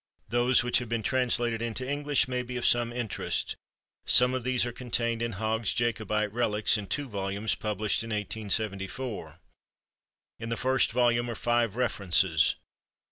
Those which have been translated into English may be of some interest. Some of these are contained in Hogg's Jacobite Kelics, in two volumes, published in 1874. In the first volume are five references.